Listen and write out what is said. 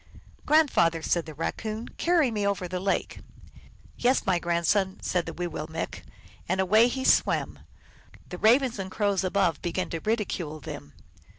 " Grandfather," said the Raccoon, " carry me over the lake." " Yes, my grand son," said the Wiwillmekq , and away he swam ; the Ravens and Crows above began to ridicule them.